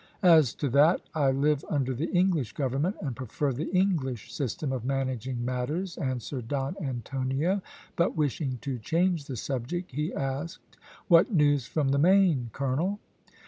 "As to that I live under the English government, and prefer the English system of managing matters," answered Don Antonio, but wishing to change the subject he asked, "What news from the Main, colonel?"